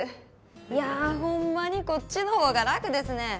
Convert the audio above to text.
いやあほんまにこっちのほうが楽ですね。